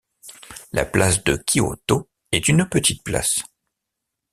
La place de Kyōto est une petite place.